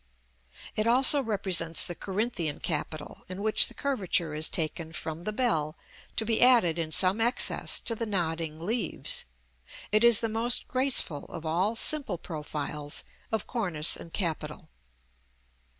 It also represents the Corinthian capital, in which the curvature is taken from the bell to be added in some excess to the nodding leaves. It is the most graceful of all simple profiles of cornice and capital.